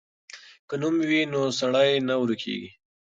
که نوم وي نو سړی نه ورکېږي.